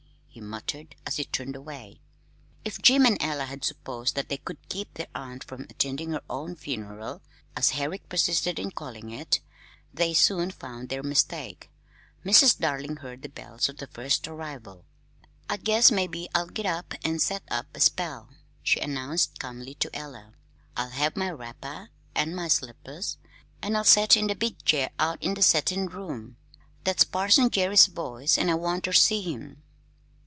he muttered, as he turned away. If Jim and Ella had supposed that they could keep their aunt from attending her own "funeral" as Herrick persisted in calling it they soon found their mistake. Mrs. Darling heard the bells of the first arrival. "I guess mebbe I'll git up an' set up a spell," she announced calmly to Ella. "I'll have my wrapper an' my slippers, an' I'll set in the big chair out in the settin' room. That's Parson Gerry's voice, an' I want ter see him."